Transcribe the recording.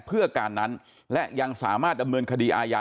เพื่อการนั้นและยังสามารถดำเนินคดีอาญา